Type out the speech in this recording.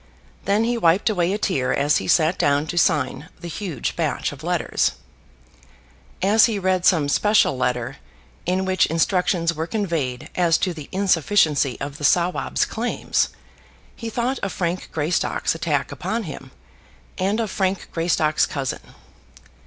Then he wiped away a tear as he sat down to sign the huge batch of letters. As he read some special letter in which instructions were conveyed as to the insufficiency of the Sawab's claims, he thought of Frank Greystock's attack upon him, and of Frank Greystock's cousin.